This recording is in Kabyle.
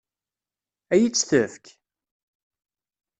Ad iyi-tt-tefk?